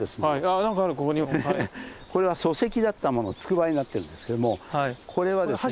ああ何かあるここにも。これは礎石だったものをつくばいになってるんですけどもこれはですね。